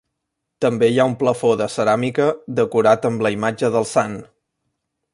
També hi ha un plafó de ceràmica decorat amb la imatge del sant.